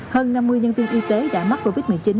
hơn năm mươi nhân viên y tế đã mắc covid một mươi chín